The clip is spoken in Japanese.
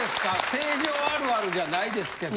成城あるあるじゃないですけど。